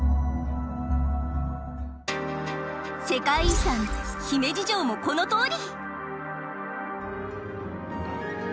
世界遺産姫路城もこのとおり！